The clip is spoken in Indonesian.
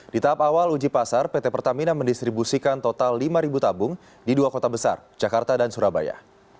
di tahap awal uji pasar pt pertamina mendistribusikan total lima tabung di dua kota besar jakarta dan surabaya